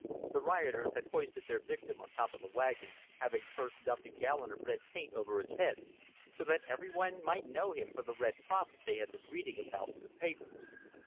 The rioters had hoisted their victim on top of the wagon, having first dumped a gallon of red paint over his head, so that everyone might know him for the Red Prophet they had been reading about in the papers.